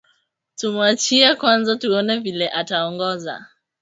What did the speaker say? Tumuachie kwanza tuone vile ataongoza